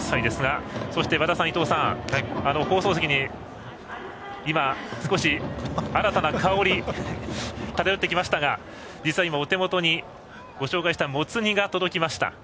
今、放送席に少し新たな香りが漂ってきましたが実は今、お手元にご紹介したもつ煮が届きました。